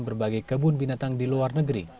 berbagai kebun binatang di luar negeri